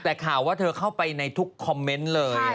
แต่ข่าวว่าเธอเข้าไปในทุกคอมเมนต์เลย